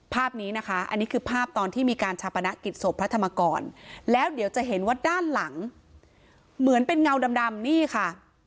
ภาพนี้นะคะอันนี้คือภาพตอนที่มีการชาปนกิจศพพระธรรมกรแล้วเดี๋ยวจะเห็นว่าด้านหลังเหมือนเป็นเงาดำนี่ค่ะ